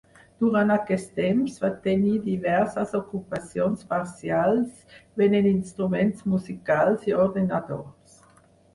Durant aquest temps va tenir diverses ocupacions parcials venent instruments musicals i ordinadors.